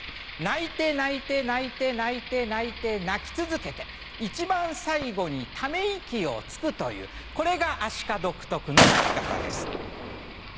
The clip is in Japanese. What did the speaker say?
鳴いて鳴いて鳴いて鳴いて鳴いて鳴き続けて一番最後にため息をつくというこれがアシカ独特の鳴き方です。